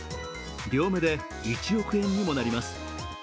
両目で１億円にもなります。